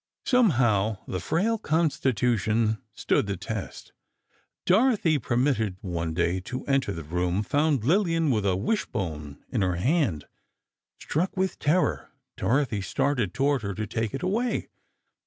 Somehow the frail constitution stood the test. Dorothy, permitted one day to enter the room, found Lillian with a wish bone in her hand. Struck with terror, Dorothy started toward her, to take it away.